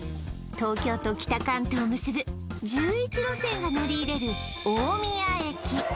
東京と北関東を結ぶ１１路線が乗り入れる大宮駅